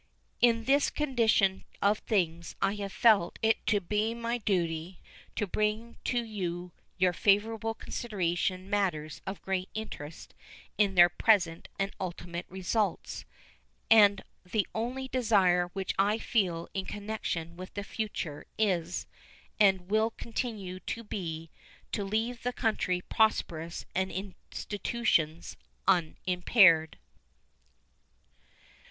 In this condition of things I have felt it to be my duty to bring to your favorable consideration matters of great interest in their present and ultimate results; and the only desire which I feel in connection with the future is and will continue to be to leave the country prosperous and its institutions unimpaired.